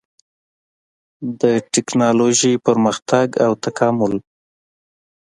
د ټېکنالوجۍ پرمختګ او تکامل